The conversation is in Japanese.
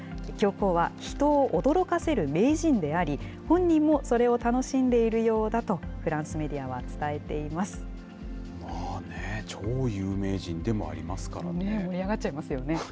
教皇は人を驚かせる名人であり、本人もそれを楽しんでいるようだと、フランスメディアは伝えてい超有名人でもありますからね。